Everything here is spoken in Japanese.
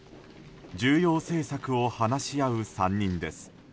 重要政策を話し合う３人です。